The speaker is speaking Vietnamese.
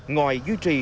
ngoài giữ trì